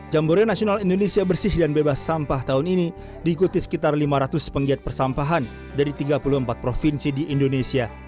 jambore nasional indonesia bersih dan bebas sampah tahun ini diikuti sekitar lima ratus penggiat persampahan dari tiga puluh empat provinsi di indonesia